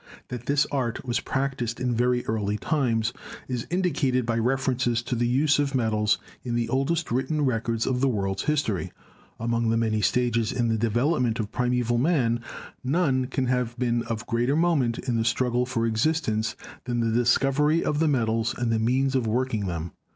That this art was practiced in very early times is indicated by references to the use of metals in the oldest written records of the world's history. Among the many stages in the development of primeval man none can have been of greater moment in his struggle for existence than the discovery of the metals and the means of working them.